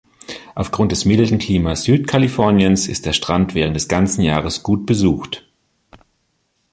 Aufgrund des milden Klimas Südkaliforniens ist der Strand während des ganzen Jahres gut besucht.